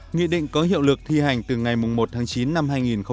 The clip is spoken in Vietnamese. nghị định có hiệu lực thi hành từ ngày một tháng chín năm hai nghìn một mươi chín